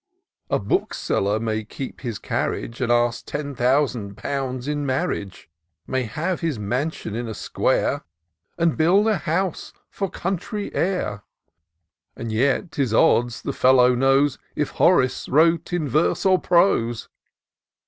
A bookseller may keep his carriage, And ask ten thousand pounds in marriage ; May have his mansion in a square. And build a house for country air ; And yet 'tis odds the fellow knows K Horace wrote in verse or prose.